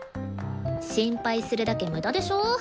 心配するだけ無駄でしょ？